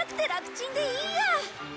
ちんでいいや！